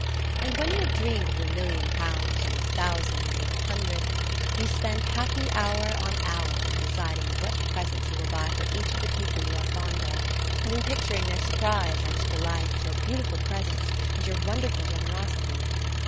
And when you have dreamed of your million pounds, or your thousand, or your hundred, you spend happy hour on hour in deciding what presents you will buy for each of the people you are fond of, and in picturing their surprise and delight at your beautiful presents and your wonderful generosity.